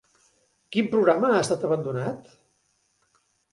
Quin programa ha estat abandonat?